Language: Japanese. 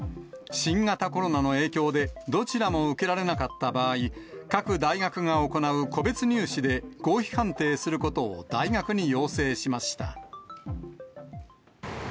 新型コロナの影響で、どちらも受けられなかった場合、各大学が行う個別入試で、合否判定することを大学に要請しました。